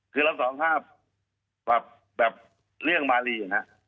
คือรับสารภาพแบบเรื่องมาลีนะ